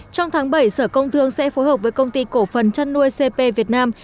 trong tháng bảy sở công thương sẽ phối hợp với công ty cổ phần chăn nuôi cp việt nam